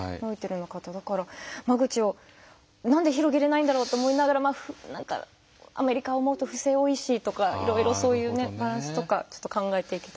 だから間口を何で広げれないんだろうと思いながら何かアメリカを思うと不正多いしとかいろいろそういうねバランスとかちょっと考えていけたらなって。